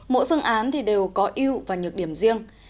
mỗi phương án thì đều có yêu và nhược điểm riêng